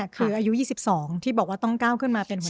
คืออายุ๒๒ที่บอกว่าต้องก้าวขึ้นมา